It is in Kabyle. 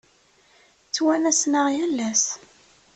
Ttwanasen-aɣ yal ass.